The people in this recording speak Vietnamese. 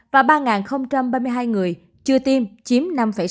và ba ba mươi hai người chưa tiêm chiếm năm sáu